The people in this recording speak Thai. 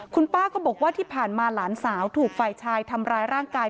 คุณป้าก็บอกว่าที่ผ่านมาหลานสาวถูกฝ่ายชายทำร้ายร่างกาย